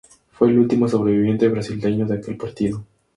Fue el último sobreviviente brasileño de aquel partido.